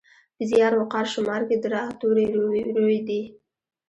په زیار، وقار، شمار کې د راء توری روي دی.